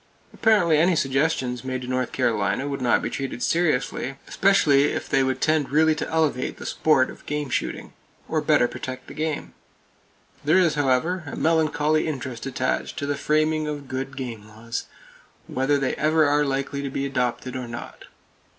Apparently any suggestions made to North Carolina would not be treated seriously, especially if they would tend really to elevate the sport of game shooting, or better protect the game. There is, however, a melancholy interest attached to the framing of good game laws, whether they ever are likely to be adopted or not.